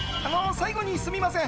最後にすみません。